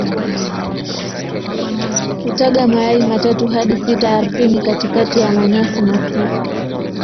Hutaga mayai matatu hadi sita ardhini katikati ya manyasi mafupi.